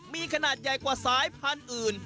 มีขนาดใหญ่กว่าสายพันธุ์อื่น